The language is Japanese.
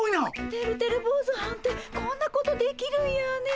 てるてる坊主はんってこんなことできるんやねえ。